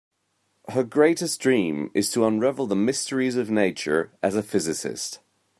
Her greatest dream is to unravel the mysteries of nature as a physicist.